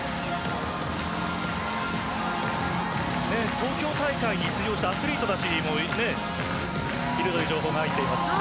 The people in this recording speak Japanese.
東京大会に出場したアスリートたちもいるという情報が入っています。